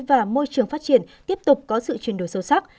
và môi trường phát triển tiếp tục có sự chuyển đổi sâu sắc